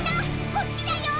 こっちだよ！